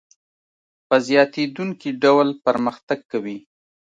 په زیاتېدونکي ډول پرمختګ کوي